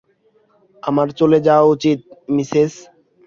আমার চলে যাওয়া উচিৎ, মিসেস।